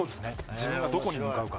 自分がどこに向かうか。